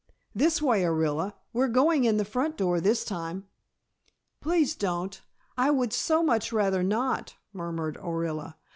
This way, Orilla. We're going in the front door this time." "Please don't, I would so much rather not," murmured Orilla.